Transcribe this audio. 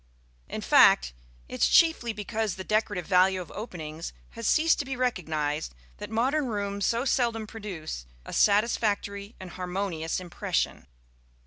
In fact, it is chiefly because the decorative value of openings has ceased to be recognized that modern rooms so seldom produce a satisfactory and harmonious impression.